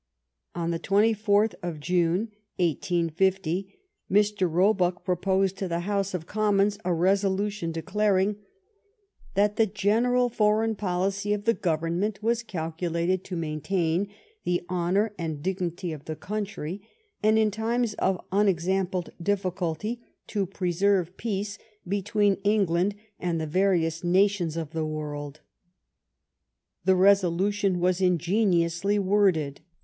On the 24th of June, 1850, Mr. Roebuck proposed in the House of Commons a resolution declaring that the general DON PACIFICO — DEATH OF SIR ROBERT PEEL 121 foreign policy of the Government was calculated to maintain the honor and dignity of the country, and in times of unexampled difficulty to preserve peace between England and the various nations of the world. The resolution was ingeniously worded.